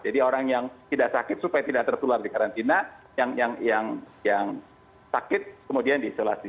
jadi orang yang tidak sakit supaya tidak tertular di karantina yang sakit kemudian diisolasi